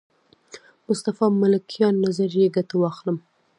مصطفی ملکیان نظریې ګټه واخلم.